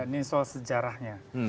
ini soal sejarahnya